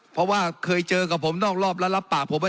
เพราะว่าเคยเจอกับผมนอกรอบแล้วรับปากผมไว้